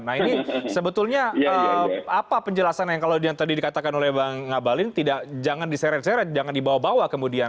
nah ini sebetulnya apa penjelasan yang kalau yang tadi dikatakan oleh bang ngabalin tidak jangan diseret seret jangan dibawa bawa kemudian